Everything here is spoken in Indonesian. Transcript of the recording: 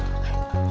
aku mau ke situ